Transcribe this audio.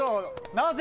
なぜ？